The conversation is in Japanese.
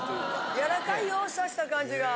柔らかいよ刺した感じが。